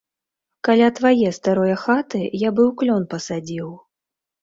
Каля твае старое хаты я быў клён пасадзіў.